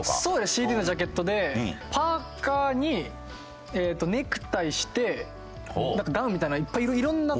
ＣＤのジャケットでパーカーにネクタイしてダウンみたいないっぱいいろんな。